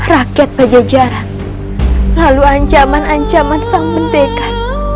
rakyat pajajaran lalu ancaman ancaman sang mendekat